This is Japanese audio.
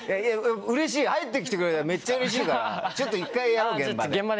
うれしい入って来てくれたらめっちゃうれしいからちょっと一回やろう現場で。